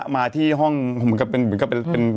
มาที่ห้องเหมือนกับเป็น